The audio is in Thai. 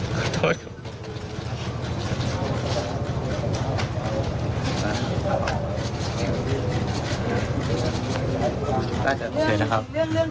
ขอโทษครับ